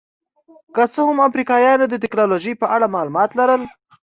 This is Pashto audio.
که څه هم افریقایانو د ټکنالوژۍ په اړه معلومات لرل.